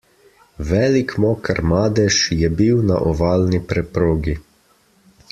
Velik moker madež je bil na ovalni preprogi.